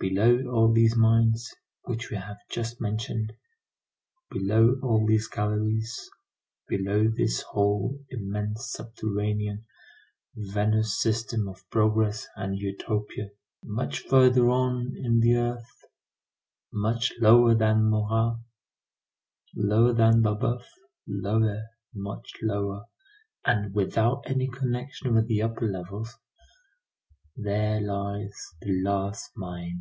Below all these mines which we have just mentioned, below all these galleries, below this whole immense, subterranean, venous system of progress and utopia, much further on in the earth, much lower than Marat, lower than Babeuf, lower, much lower, and without any connection with the upper levels, there lies the last mine.